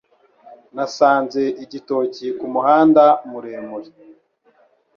Nasanze igitoki kumuhanda muremure